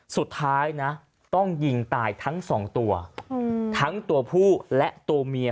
สุดท้ายนะต้องยิงตายทั้งสองตัวทั้งตัวผู้และตัวเมีย